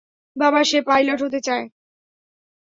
বাবা, সে পাইলট হতে চায়।